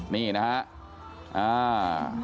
นี่นะครับ